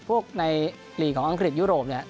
พวกในหลีกของอังกฤษยุโรปเนี่ย